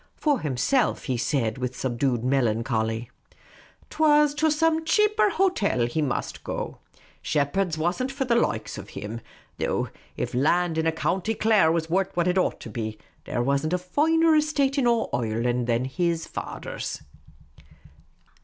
For himself, he said, with subdued melancholy, " 't was to some cheaper hotel he must go ; Shepheard's was n't for the likes of him ; though if land in County Clare was wort' what it ought to be, there wasn't a finer estate in all Oireland than his fader's."